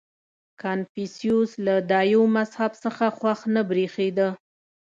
• کنفوسیوس له دایو مذهب څخه خوښ نه برېښېده.